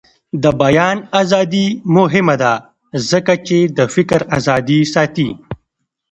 د بیان ازادي مهمه ده ځکه چې د فکر ازادي ساتي.